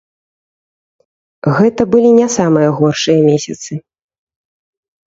Гэта былі не самыя горшыя месяцы.